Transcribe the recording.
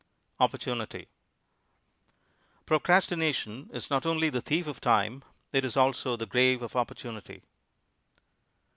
OPPORTUNITY Procrastination is not only the thief of time; it is also the grave of opportunity.